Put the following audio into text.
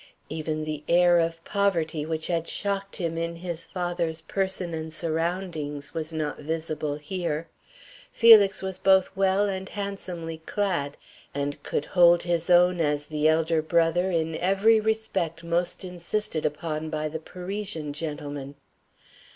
Even the air of poverty which had shocked him in his father's person and surroundings was not visible here. Felix was both well and handsomely clad, and could hold his own as the elder brother in every respect most insisted upon by the Parisian gentleman.